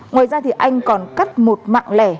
ngoài ra thì anh còn cắt một mạng lẻ